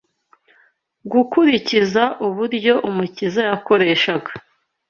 Gukurikiza Uburyo Umukiza Yakoreshaga